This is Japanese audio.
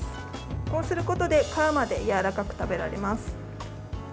こうすることで皮までやわらかく食べられます。